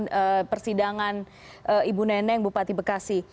dan persidangan ibu neneng bupati bekasi